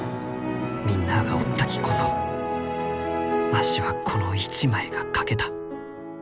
みんなあがおったきこそわしはこの一枚が描けた。